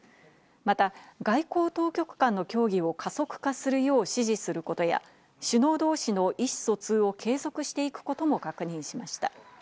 また、外交当局間の協議を加速化するよう指示することや首脳同士の意思疎通を継続していくことも確認しました。